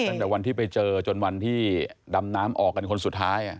ตั้งแต่วันที่ไปเจอจนวันที่ดำน้ำออกกันคนสุดท้าย